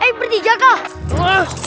eh bertiga kak